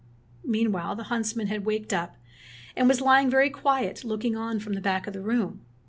Meanwhile the huntsman had waked up, and was lying very quiet looking on from the back of the room.